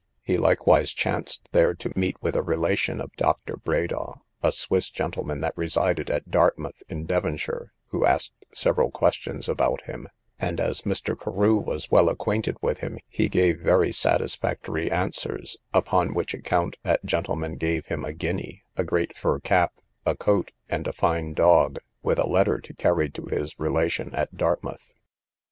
He likewise chanced there to meet with a relation of Dr. Bredaw, a Swiss gentleman, that resided at Dartmouth, in Devonshire, who asked several questions about him; and as Mr. Carew was well acquainted with him, he gave very satisfactory answers, upon which account that gentleman gave him a guinea, a great fur cap, a coat, and a fine dog, with a letter to carry to his relation at Dartmouth.